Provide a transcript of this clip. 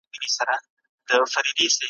نه سايه کي د حرم.